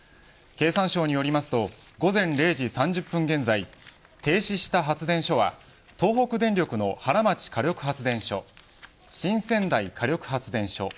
経産省によりますと午前０時３０分現在停止した発電所は東北電力のハラマチ火力発電所